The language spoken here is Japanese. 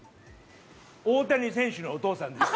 大谷選手のお父さんです。